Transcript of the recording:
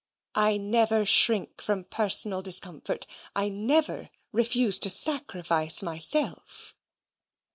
I never shrink from personal discomfort: I never refuse to sacrifice myself."